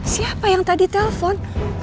siapa yang tadi telpon